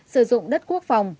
sử dụng đất quốc phòng